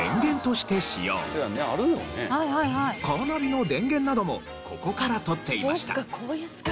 カーナビの電源などもここから取っていました。